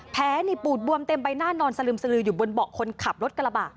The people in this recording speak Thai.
ปูดบวมเต็มใบหน้านอนสลึมสลืออยู่บนเบาะคนขับรถกระบะ